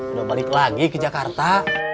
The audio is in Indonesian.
udah balik lagi ke jakarta